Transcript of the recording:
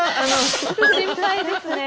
心配ですね。